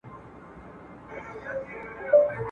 یار لیدل آب حیات دي چاته کله ور رسیږي.